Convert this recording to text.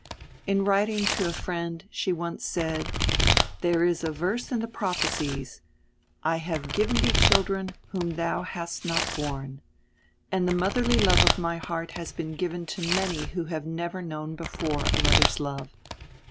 In writing to a friend, she once said: "There is a verse in the prophecies, 'I have given thee children whom thou hast not borne,' and the motherly love of my heart has been given to many who have never known before a mother's love."